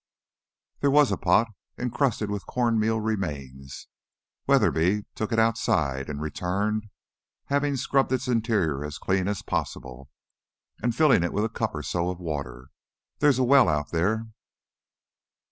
There was a pot, encrusted with corn meal remains. Weatherby took it outside and returned, having scrubbed its interior as clean as possible, and filling it with a cup or so of water. "There's a well out there."